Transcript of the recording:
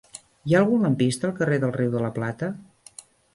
Hi ha algun lampista al carrer del Riu de la Plata?